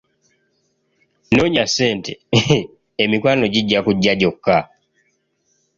Nnoonya ssente emikwano gijja kujja gyokka.